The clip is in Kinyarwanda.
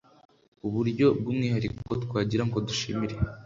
Ku buryo bw’umwihariko twagira ngo dushimire